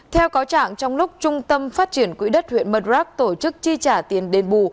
theo cáo trạng trong lúc trung tâm phát triển quỹ đất huyện mật rắc tổ chức chi trả tiền đền bù